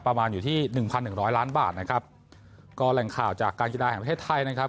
ประมาณอยู่ที่หนึ่งพันหนึ่งร้อยล้านบาทนะครับก็แหล่งข่าวจากการกีฬาแห่งประเทศไทยนะครับ